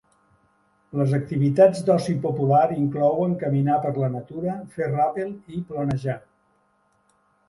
Les activitats d'oci popular inclouen caminar per la natura, fer ràpel i planejar.